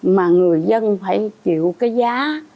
mà người dân phải chịu cái giá